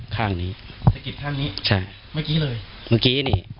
ข้างนี้